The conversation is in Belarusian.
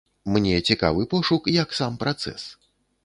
Мне цікавы пошук як сам працэс.